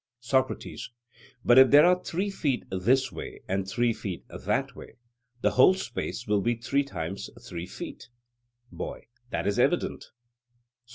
SOCRATES: But if there are three feet this way and three feet that way, the whole space will be three times three feet? BOY: That is evident.